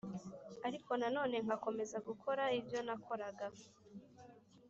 ariko na none nkakomeza gukora ibyo nakoraga